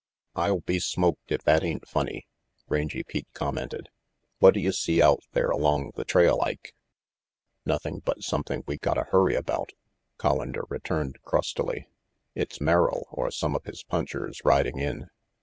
"I'll be smoked if that ain't funny," Rangy Pete commented. "Whatta you see out there along the trail, Ike?" "Nothing but something we gotta hurry about," 10 RANGY PETE Collander returned crustily. "It's Merrill or some of his punchers riding in."